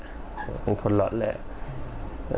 อย่าเป็นคนหลอดแหละ